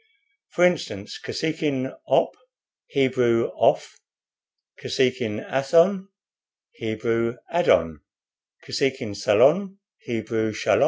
For instance, Kosekin 'Op,' Hebrew 'Oph;' Kosekin 'Athon,' Hebrew 'Adon;' Kosekin 'Salon,' Hebrew 'Shalom.'